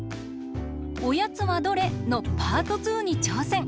「おやつはどれ？」のパート２にちょうせん！